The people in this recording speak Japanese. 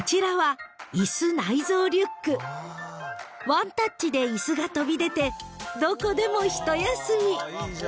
［ワンタッチで椅子が飛び出てどこでも一休み］